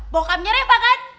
bokapnya reva kan